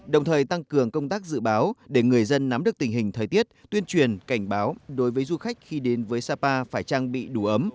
đồng thời tăng cường công tác dự báo để người dân nắm được tình hình thời tiết tuyên truyền cảnh báo đối với du khách khi đến với sapa phải trang bị đủ ấm